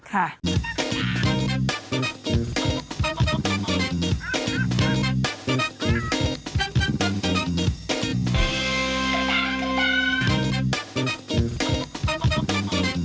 ค่ะ